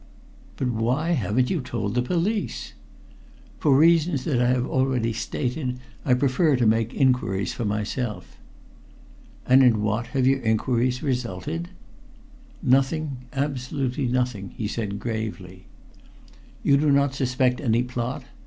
"But why haven't you told the police?" "For reasons that I have already stated. I prefer to make inquiries for myself." "And in what have your inquiries resulted?" "Nothing absolutely nothing," he said gravely. "You do not suspect any plot?